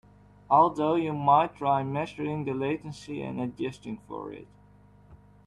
Although you might try measuring the latency and adjusting for it.